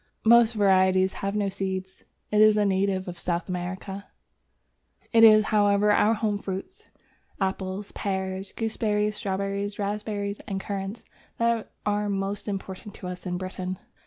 Most varieties have no seeds. It is a native of South America. It is, however, our home fruits, Apples, Pears, Gooseberries, Strawberries, Raspberries, and Currants, that are most important to us in Britain.